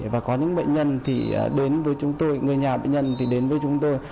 và có những bệnh nhân thì đến với chúng tôi người nhà bệnh nhân thì đến với chúng tôi